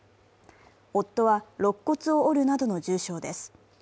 夫はろっ骨を折るなどの重傷です。